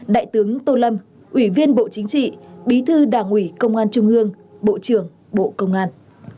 đại tướng tô lâm ủy viên bộ chính trị bí thư đảng ủy công an trung ương bộ trưởng bộ công an